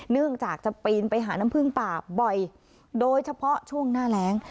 เนื่องจากจะปีนไปหาน้ำพึ่งป่าบ่อยโดยเฉพาะช่วงหน้าแรง